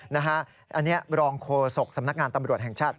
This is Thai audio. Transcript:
อันนี้รองโฆษกสำนักงานตำรวจแห่งชาติ